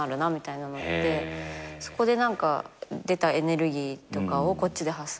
そこで何か出たエネルギーとかをこっちで発散させ